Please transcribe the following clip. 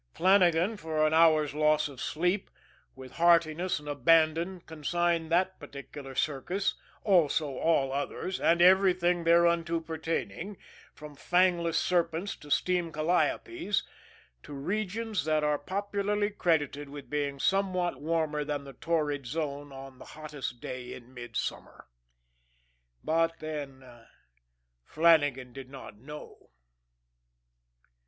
Flannagan, for an hour's loss of sleep, with heartiness and abandon, consigned that particular circus, also all others and everything thereunto pertaining, from fangless serpents to steam calliopes, to regions that are popularly credited with being somewhat warmer than the torrid zone on the hottest day in mid summer. But then Flannagan did not know.